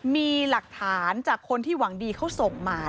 มีหลักฐานจากคนที่หวังดีเขาส่งมา